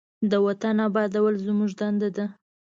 د وطن آبادول زموږ دنده ده.